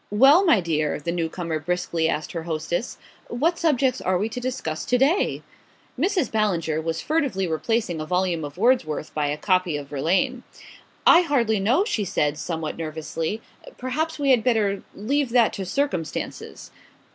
"Well, my dear," the new comer briskly asked her hostess, "what subjects are we to discuss to day?" Mrs. Ballinger was furtively replacing a volume of Wordsworth by a copy of Verlaine. "I hardly know," she said, somewhat nervously. "Perhaps we had better leave that to circumstances."